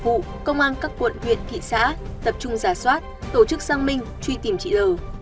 công an tp hà nội công an các quận huyện thị xã tập trung giả soát tổ chức sang minh truy tìm chị l